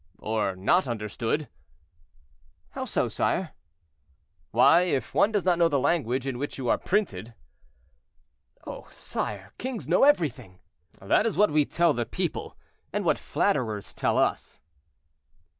"Or not understood." "How so, sire?" "Why, if one does not know the language in which you are printed." "Oh, sire, kings know everything." "That is what we tell the people, and what flatterers tell us."